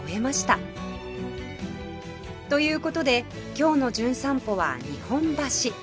という事で今日の『じゅん散歩』は日本橋